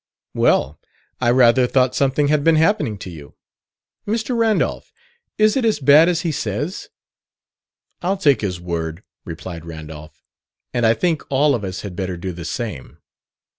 "Well, I rather thought something had been happening to you. Mr. Randolph, is it as bad as he says?" "I'll take his word," replied Randolph. "And I think all of us had better do the same."